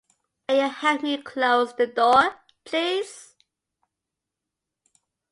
May you help me close the door?